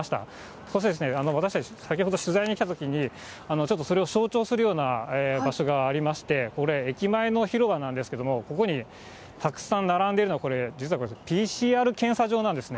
そして、私たち、先ほど取材に来たときに、ちょっとそれを象徴するような場所がありまして、これ、駅前の広場なんですけど、ここにたくさん並んでいるのは、これ、実はこれ、ＰＣＲ検査場なんですね。